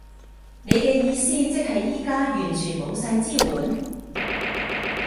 你嘅意思即係而家完全冇晒支援？